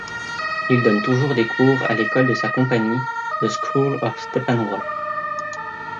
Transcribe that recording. Il donne toujours des cours à l'école de la compagnie, The School at Steppenwolf.